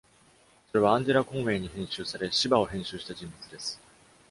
それはアンジェラ・コンウェイに編集され、「シヴァ」を編集した人物です。